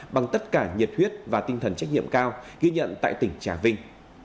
bằng tất cả nhiệt huyết và tinh thần trách nhiệm cao ghi nhận tại tỉnh trà vinh